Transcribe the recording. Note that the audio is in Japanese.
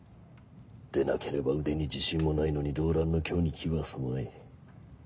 でなければ腕に自信もないのに動乱の京に来はすまい。